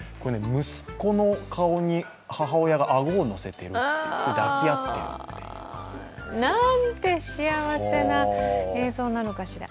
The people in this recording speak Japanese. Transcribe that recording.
息子の顔に母親が顎を乗せている、抱き合っている。なんて幸せな映像なのかしら。